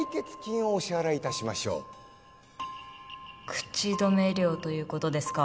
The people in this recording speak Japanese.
口止め料ということですか？